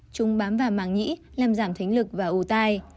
chúng bám vào màng nhĩ làm giảm thính lực và ủ tay